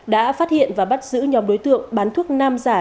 đã phát hiện và bắt giữ nhóm đối tượng bán thuốc nam giả